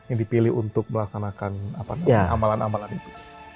yang dipilih untuk melaksanakan amalan amalan itu